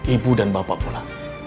ibu dan bapak pula